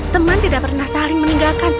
teman tidak pernah saling meninggalkan